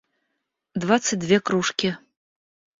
двадцать две кружки